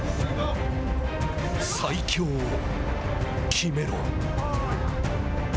最強を決めろ。